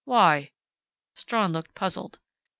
"Why?" Strawn looked puzzled.